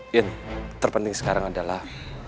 in terpenting sekarang adalah